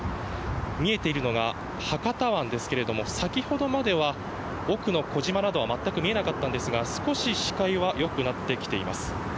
見えているのが博多湾ですけれども、先ほどまでは奥の小島などは全く見えなかったんですが少し視界はよくなってきています。